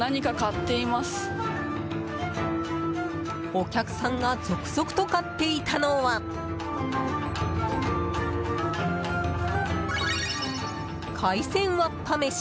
お客さんが続々と買っていたのは海鮮わっぱめし。